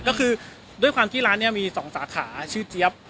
ก็คือด้วยความที่ร้านนี้มี๒สาขาชื่อเจี๊ยบ